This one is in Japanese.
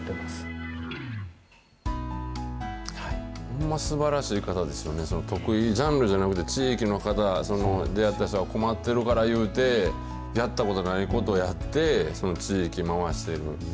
ほんますばらしい方ですよね、得意ジャンルじゃなくて地域の方、出会った人が困ってるからいうて、やったことないことをやって、その地域を回してる。